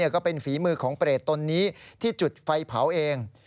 ก็เป็นฝีมือของเปรตนนี้ที่จุดไฟเผาเอง